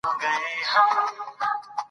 زده کوونکي به خپل هدف ته رسېدلي وي.